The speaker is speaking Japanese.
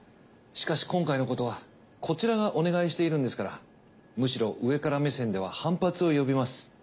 しかし今回のことはこちらがお願いしているんですからむしろ上から目線では反発を呼びます。